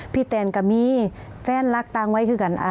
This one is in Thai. พี่แตนกับมีแฟนรักต่างวัยคือกัน